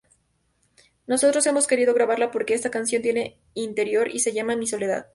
Nosotros hemos querido grabarla porque esta canción tiene interior, y se llama "Mi soledad"".